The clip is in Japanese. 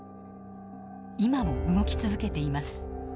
今も動き続けています。